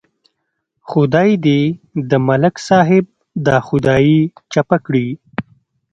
خدای دې د ملک صاحب دا خدایي چپه کړي.